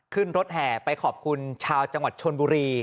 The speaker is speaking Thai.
ขึ้นรถแห่ไปขอบคุณชาวจังหวัดชนบุรี